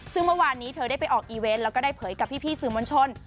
ซึ่งเมื่อวานนี้เธอได้ไปออกอีเวนต์แล้วก็ได้เผยกับพี่สื่อมวลชน